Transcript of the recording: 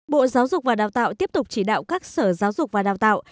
bộ giáo dục và đào tạo tiếp tục chỉ đạo các sở giáo dục và đào tạo